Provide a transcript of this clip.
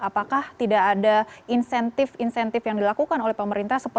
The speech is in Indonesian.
apakah tidak ada insentif insentif yang dilakukan oleh pemerintah